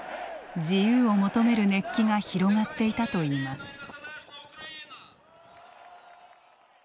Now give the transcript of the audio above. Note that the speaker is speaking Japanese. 自由を求める熱気が広がっていたといいます。